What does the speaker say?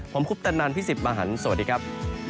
ผมคุปตันนานพี่สิบมาหันสวัสดีครับ